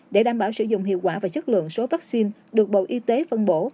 để đảm bảo sử dụng hiệu quả và chất lượng số vaccine được bộ y tế phân bổ